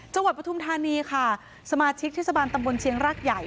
จังหวัดพระทุ่มธานีค่ะสมาชิกทฤษบาลตำบลเชียงรากใหญ่